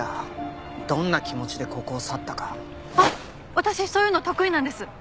私そういうの得意なんです。